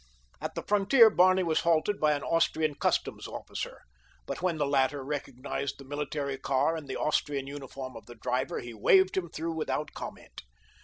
At the frontier Barney was halted by an Austrian customs officer; but when the latter recognized the military car and the Austrian uniform of the driver he waved him through without comment.